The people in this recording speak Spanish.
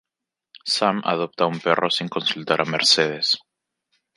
Sam adopta un perro sin consultar a Mercedes.